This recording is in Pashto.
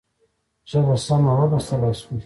ژبه سمه ولوستلای شو.